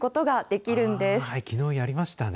きのうやりましたね。